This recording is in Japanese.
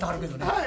はい。